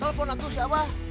telepon atuh si aba